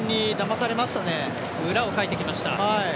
裏をかいてきました。